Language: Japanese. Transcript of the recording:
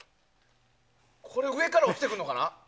上から落ちてくるのかな？